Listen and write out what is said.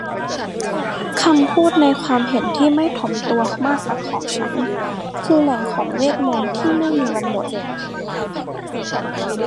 คำพูดในความเห็นที่ไม่ถ่อมตัวมากนักของฉันคือแหล่งของเวทมนตร์ที้ไม่มีวันหมด